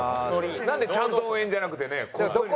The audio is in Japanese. なんでちゃんと応援じゃなくてねこっそりなのかが。